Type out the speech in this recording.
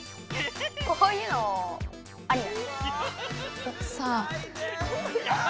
こういうのありなの？